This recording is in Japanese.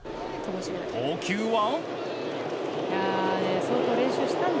投球は。